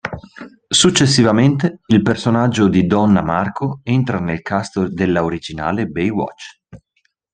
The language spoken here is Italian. Successivamente il personaggio di Donna Marco entra nel cast della originale "Baywatch".